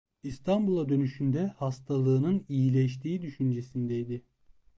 İstanbul'a dönüşünde hastalığının iyileştiği düşüncesindeydi.